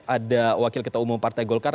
ada wakil ketua umum partai golkar